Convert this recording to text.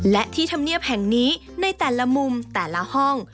และที่ธรรมเนียบแห่งนี้ในแต่ละมุมแต่ละห้อง